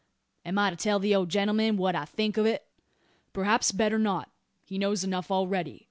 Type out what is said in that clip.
Am I to tell the old gentleman what I think o't?" "Perhaps better not. He knows enough already.